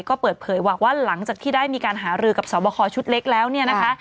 ก็เปิดเผยบอกว่าหลังจากที่ได้มีการหารือกับสอบคอชุดเล็กแล้วเนี่ยนะคะ